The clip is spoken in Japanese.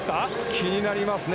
気になりますね。